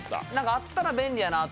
あったら便利やなと。